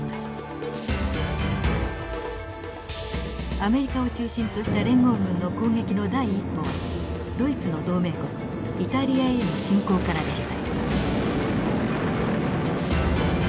アメリカを中心とした連合軍の攻撃の第一歩はドイツの同盟国イタリアへの侵攻からでした。